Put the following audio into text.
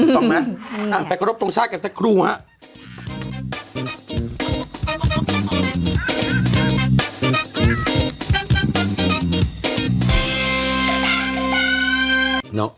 ต้องไหมไปรบตรงชาติกันซะครูฮะโอเค